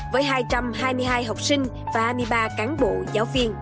với hai trăm hai mươi hai học sinh và hai mươi ba cán bộ giáo viên